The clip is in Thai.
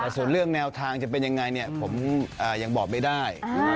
ส่วนเรื่องแนวทางจะเป็นยังไงผมยังบอกไม่ได้